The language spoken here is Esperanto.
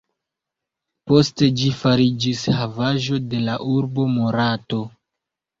Poste ĝi fariĝis havaĵo de la urbo Morato.